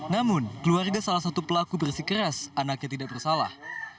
namun keluarga salah satu pelaku bersikeras anaknya tidak bersalah